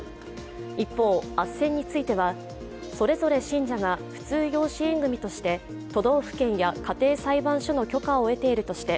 一方、あっせんについてはそれぞれ信者が普通養子縁組として都道府県や家庭裁判所の許可を得ているとして